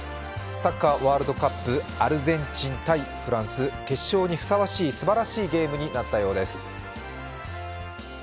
サッカーワールドカップ、アルゼンチン×フランス、決勝にふさわしい、すばらしいゲームになったようです。